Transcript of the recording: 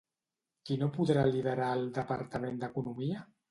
Qui no podrà liderar el departament d'Economia?